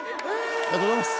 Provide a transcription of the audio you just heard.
ありがとうございます